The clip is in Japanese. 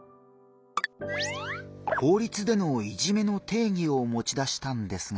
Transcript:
法律でのいじめの定義をもち出したんですが。